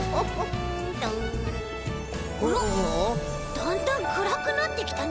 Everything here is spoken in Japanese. だんだんくらくなってきたね。